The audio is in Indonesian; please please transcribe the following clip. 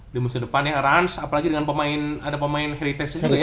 di musim depan ya ranz apalagi dengan pemain ada pemain heritage juga ya